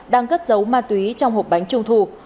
đang cất giấu ma túy trong hộp bánh trung thu